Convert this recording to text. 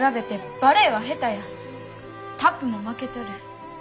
タップも負けとる。